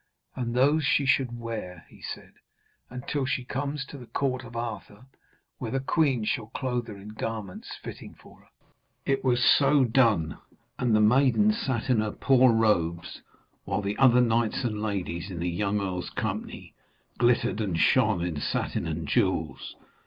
And those she should wear,' he said, 'until she come to the court of Arthur, where the queen shall clothe her in garments fitting for her.' It was so done, and the maiden sat in her poor robes while the other knights and ladies in the young earl's company glittered and shone in satin and jewels.